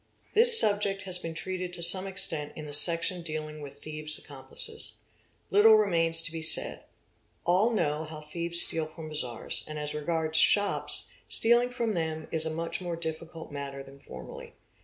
This subject has been treated to some extent in the section dealing with thieves' accomplices. Little remains to be said. All know how _ thieves steal from bazaars, and as regard shops, stealing from them is a much more difficult matter than formerly.